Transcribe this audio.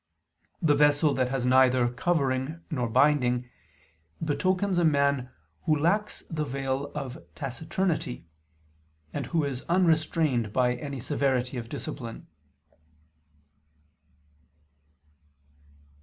The vessel that has neither cover nor binding, betokens a man who lacks the veil of taciturnity, and who is unrestrained by any severity of discipline.